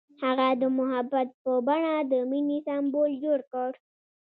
هغه د محبت په بڼه د مینې سمبول جوړ کړ.